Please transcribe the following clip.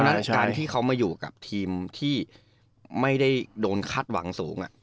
ฉะการที่เขามาอยู่กับทีมที่ไม่ได้โดนคาดหวังสูง